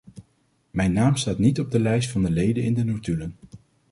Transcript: Mijn naam staat niet op de lijst van de leden in de notulen.